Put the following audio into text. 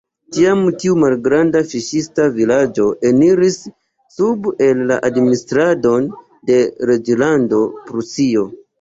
Tiam tiu malgranda fiŝista vilaĝo eniris sub en la administradon de Reĝlando Prusio.